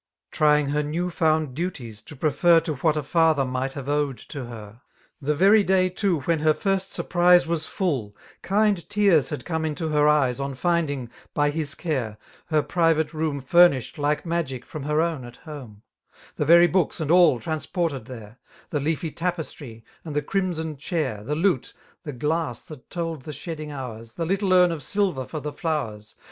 Trying her new found duties to prefer To what a father might have owed to her* The very day too when her first surprise Was full» kind tears had come into her eyes £ 2 52 On finding, by his care, her priyate room Furnished, like magic^ from her own at home; The very books and all transported there^ The leafy tapestry, and the crimson chair. The Itlte, the glass that told the shedding hours^ The little urn of silver for the flowers.